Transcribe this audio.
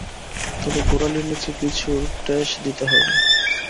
তবে গোড়ালির নিচে কিছুর ঠেস দিতে হবে।